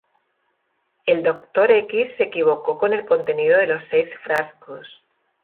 El Doctor X se equivocó con el contenido de los seis frascos.